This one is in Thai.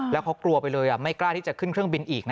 แล้วเขากลัวไปเลยไม่กล้าที่จะขึ้นเครื่องบินอีกนะ